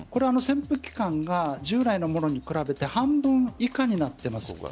潜伏期間が従来のものに比べて半分以下になっています。